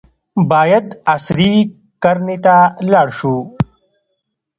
باید عصري کرنې ته لاړ شو.